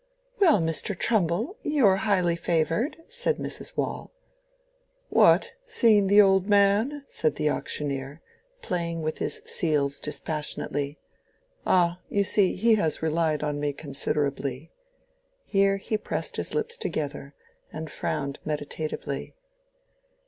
"Well, Mr. Trumbull, you're highly favored," said Mrs. Waule. "What! seeing the old man?" said the auctioneer, playing with his seals dispassionately. "Ah, you see he has relied on me considerably." Here he pressed his lips together, and frowned meditatively.